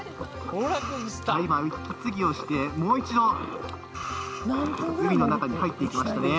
息継ぎをして、もう１度海の中に入っていきましたね。